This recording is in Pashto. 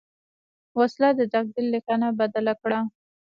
وسله د تقدیر لیکنه بدله کوي